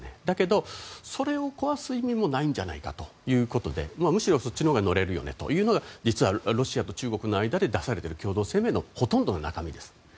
だけど、それを壊す意味もないんじゃないかということでむしろそっちのほうが乗れるよねというのが実はロシアと中国の間で出されている共同声明のほとんどの中身です。